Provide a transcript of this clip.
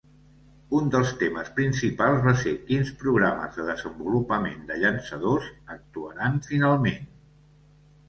Un dels temes principals va ser quins programes de desenvolupament de llançadors actuaran finalment.